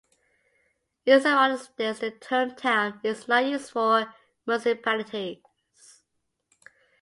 In some other states, the term "town" is not used for municipalities.